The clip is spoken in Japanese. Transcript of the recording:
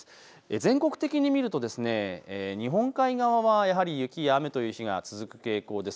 全国的に見ると日本海側はやはり雪や雨という日が続く傾向です。